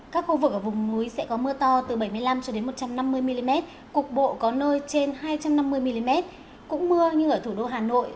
các khu vực ở vùng núi sẽ có mưa to từ bảy mươi năm cho đến một trăm năm mươi mm cục bộ có nơi trên hai trăm năm mươi mm cũng mưa như ở thủ đô hà nội